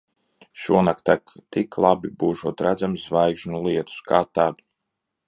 Šonakt tak tik labi būšot redzams zvaigžņu lietus. Kā tad!